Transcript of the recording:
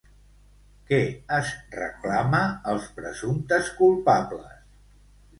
Què es reclama als presumptes culpables?